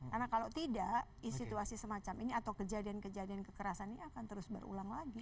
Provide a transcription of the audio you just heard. karena kalau tidak situasi semacam ini atau kejadian kejadian kekerasan ini akan terus berulang lagi